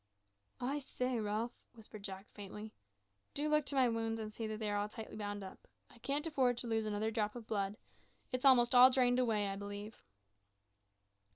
"I say, Ralph," whispered Jack faintly, "do look to my wounds and see that they are all tightly bound up. I can't afford to lose another drop of blood. It's almost all drained away, I believe."